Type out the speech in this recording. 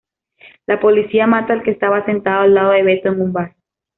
La policía mata al que estaba sentado al lado de Beto en un bar.